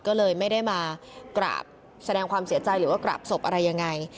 ก็เลยไม่ได้มากราบแสดงความเสียใจหรือว่ากราบศพอะไรยังไง